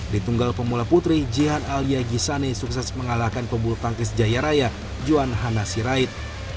di tunggal pemula putri jihan alia gisane sukses mengalahkan pembulu tangkis jaya raya johan hana sirait